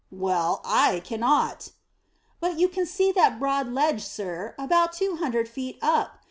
Well, I cannot!" "But you can see that broad ledge, sir, about two hundred feet up.